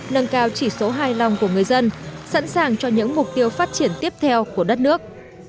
nâng cao chỉ số hài lòng của người dân sẵn sàng cho những mục tiêu phát triển tiếp theo của đất nước